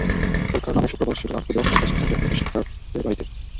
পরীক্ষার নামে শুক্রবারও শিশুদের আটকে দেওয়া হচ্ছে কোচিং সেন্টার কিংবা শিক্ষকদের বাড়িতে।